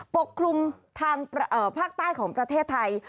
ปกคลุมทางภาคใต้ของประเทศไทย